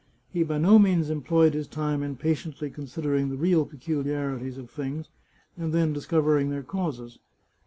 He by no means employed his time in pa tiently considering the real peculiarities of things, and then discovering their causes.